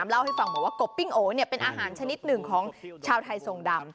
เป็นฝั่งบอกว่ากบปิ้งโอเนี่ยเป็นอาหารชนิดหนึ่งของชาวไทยทรงดำ